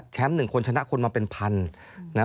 แชมป์หนึ่งคนชนะคนมาเป็นพันนะ